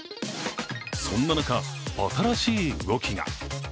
そんな中、新しい動きが。